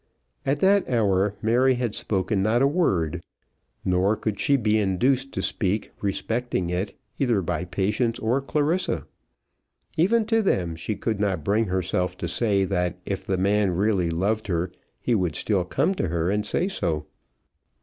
At that hour Mary had spoken not a word; nor could she be induced to speak respecting it either by Patience or Clarissa. Even to them she could not bring herself to say that if the man really loved her he would still come to her and say so.